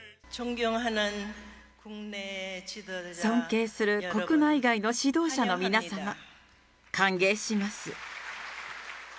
尊敬する国内外の指導者の皆様、歓迎します。